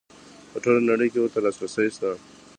په ټوله نړۍ کې ورته لاسرسی شته.